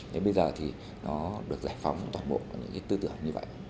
đến bây giờ thì nó được giải phóng toàn bộ những cái tư tưởng như vậy